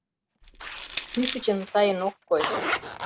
— Кӱшычын сайын ок кой...